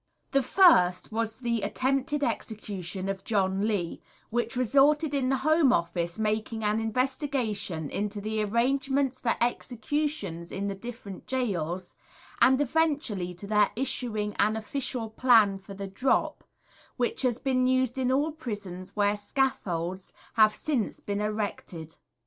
The first was the attempted execution of John Lee, which resulted in the Home Office making an investigation into the arrangements for executions in the different gaols, and eventually to their issuing an official plan for the drop, which has been used in all prisons where scaffolds have since been erected.